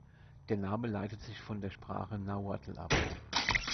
Der Name leitet sich von der Sprache Nahuatl ab.